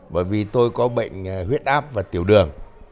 bởi vì tôi có bệnh huyết áp và tiểu đường